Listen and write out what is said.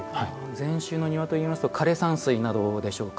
禅宗の庭といいますと枯山水などでしょうか。